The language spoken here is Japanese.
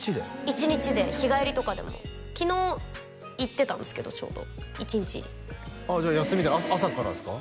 １日で日帰りとかでも昨日行ってたんですけどちょうど１日ああじゃあ休みで朝からですか？